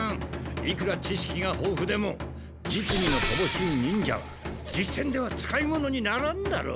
いくら知しきがほうふでも実技のとぼしい忍者は実戦では使い物にならんだろう。